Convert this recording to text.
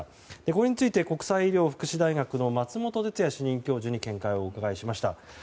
これについて国際医療福祉大学の松本哲哉主任教授に見解をお伺いしました。